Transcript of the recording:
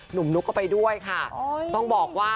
หนุ่มนุกก็ไปด้วยค่ะ